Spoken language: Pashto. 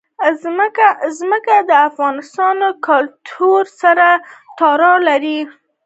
ځمکه د افغان کلتور سره تړاو لري.